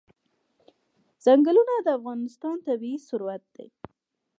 چنګلونه د افغانستان طبعي ثروت دی.